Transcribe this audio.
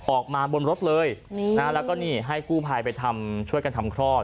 ออกมาบนรถเลยแล้วก็นี่ให้กู้ภัยไปทำช่วยกันทำคลอด